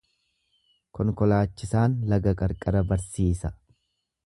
Konkolaachisaan laga qarqara barsiisa.